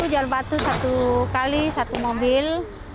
jual batu satu kali satu mobil